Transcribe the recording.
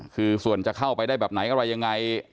คือส่วนจะเข้าไปได้แบบไหนอะไรยังไง